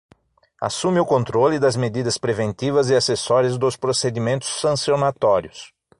Assume o controle das medidas preventivas e acessórias dos procedimentos sancionatórios.